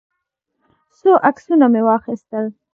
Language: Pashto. څو عکسونه مې واخیستل.